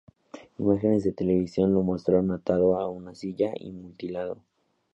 Imágenes de televisión lo mostraron atado a una silla y mutilado.